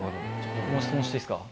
僕も質問していいですか？